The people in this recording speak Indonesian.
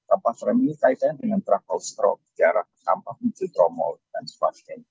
kampas rem ini kaitannya dengan truk hustro jarak kampas bukit romol dan sebagainya